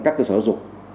các cơ sở dục